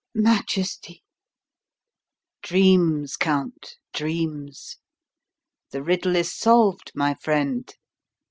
"Majesty!" "Dreams, Count, dreams. The riddle is solved, my friend.